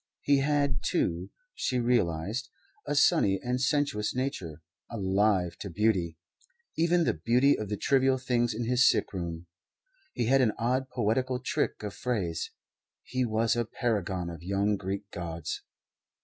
He had, too, she realized, a sunny and sensuous nature, alive to beauty even the beauty of the trivial things in his sickroom. He had an odd, poetical trick of phrase. He was a paragon of young Greek gods.